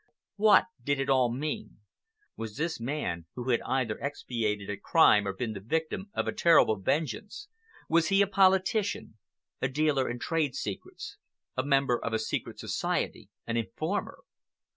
What did it all mean? Was this man, who had either expiated a crime or been the victim of a terrible vengeance,—was he a politician, a dealer in trade secrets, a member of a secret society, an informer?